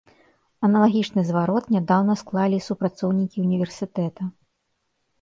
Аналагічны зварот нядаўна склалі і супрацоўнікі ўніверсітэта.